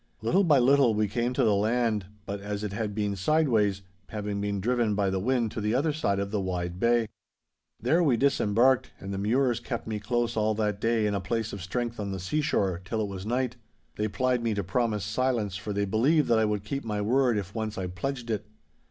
Little by little we came to the land, but as it had been sideways, having been driven by the wind to the other side of the wide bay. 'There we disembarked and the Mures kept me close all that day in a place of strength on the seashore, till it was night. They plied me to promise silence, for they believed that I would keep my word if once I pledged it.